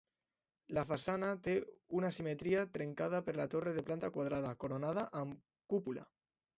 La façana té una simetria trencada per la torre de planta quadrada, coronada amb cúpula.